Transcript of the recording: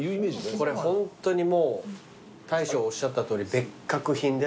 これホントにもう大将おっしゃったとおり別格品ですね。